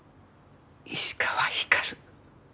石川光。